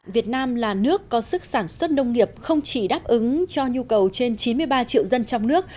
việt nam là nước có sức sản xuất nông nghiệp không chỉ đáp ứng cho nhu cầu trên chín mươi ba triệu dân trong nước